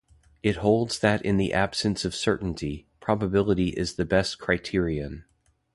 It holds that in the absence of certainty, probability is the best criterion.